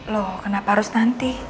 loh kenapa harus nanti